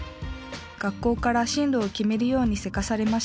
学校から進路を決めるようにせかされました。